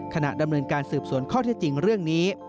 ขณะดำเนินการสืบสวนข้อเท็จจริงเรื่องนี้